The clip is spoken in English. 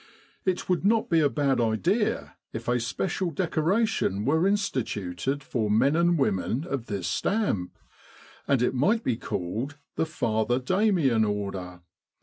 It would not be a bad idea if a special decoration were instituted for men and women of this stamp, and it might be called the Father Damien Order.